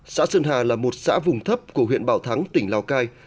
xã sơn hà là một xã vùng thấp của huyện bảo thắng tỉnh lào cai